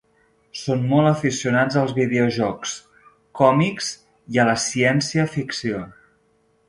Són molt aficionats als videojocs, còmics i a la ciència-ficció.